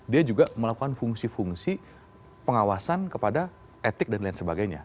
dia juga melakukan fungsi fungsi pengawasan kepada etik dan lain sebagainya